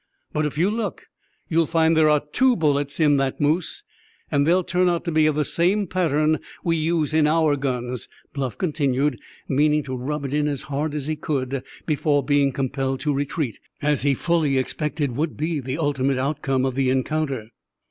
"But if you look, you'll find there are two bullets in that moose; and they'll turn out to be of the same pattern we use in our guns," Bluff continued, meaning to rub it in as hard as he could before being compelled to retreat, as he fully expected would be the ultimate outcome of the encounter.